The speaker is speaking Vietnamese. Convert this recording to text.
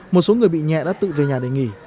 một số người bị nhẹ đã tự về nhà để nghỉ